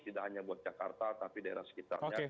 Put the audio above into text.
tidak hanya buat jakarta tapi daerah sekitarnya